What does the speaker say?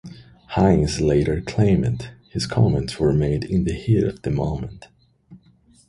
Heinze later claimed his comments were made in the heat of the moment.